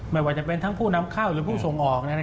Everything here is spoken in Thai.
ไม่ว่าจะเป็นทั้งผู้นำเข้าหรือผู้ส่งออก